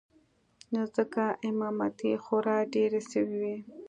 نو ځکه امامتې خورا ډېرې سوې وې.